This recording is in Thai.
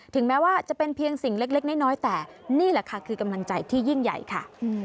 แม้ว่าจะเป็นเพียงสิ่งเล็กน้อยแต่นี่แหละค่ะคือกำลังใจที่ยิ่งใหญ่ค่ะ